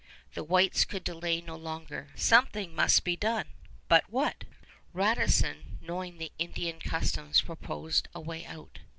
The whites could delay no longer. Something must be done, but what? Radisson, knowing the Indian customs, proposed a way out.